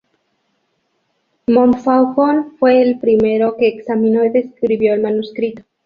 Montfaucon fue el primero que examinó y describió el manuscrito.